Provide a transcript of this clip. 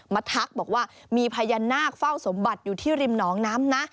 ทักบอกว่ามีพญานาคเฝ้าสมบัติอยู่ที่ริมหนองน้ำนะ